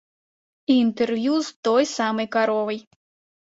І інтэрв'ю з той самай каровай.